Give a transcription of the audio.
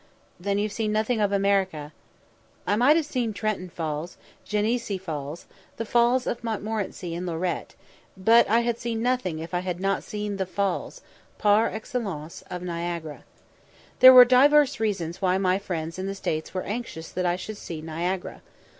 "Then you've seen nothing of America." I might have seen Trenton Falls, Gennessee Falls, the Falls of Montmorenci and Lorette; but I had seen nothing if I had not seen the Falls (par excellence) of Niagara. There were divers reasons why my friends in the States were anxious that I should see Niagara.